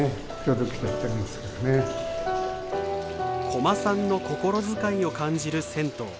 小間さんの心遣いを感じる銭湯。